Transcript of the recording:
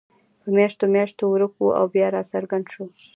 په میاشتو میاشتو ورک وو او بیا راڅرګند شو.